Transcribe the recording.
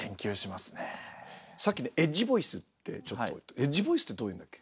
さっきねエッジボイスってちょっと「エッジボイス」ってどういうのだっけ？